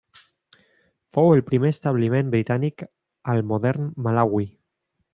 Fou el primer establiment britànic al modern Malawi.